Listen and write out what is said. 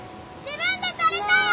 自分で取れたよ！